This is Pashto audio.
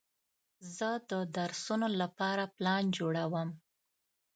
زه د درسونو لپاره پلان جوړوم.